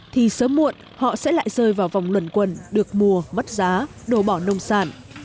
thì sớm muộn họ sẽ lại rơi vào vòng luẩn quần được mua mất giá đổ bỏ nông sản